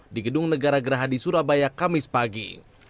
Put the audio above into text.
di gedung negara gerahadi surabaya kamis pagi